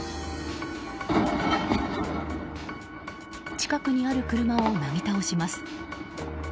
近くにある車を、なぎ倒します。